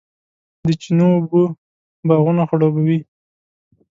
د چینو اوبه باغونه خړوبوي.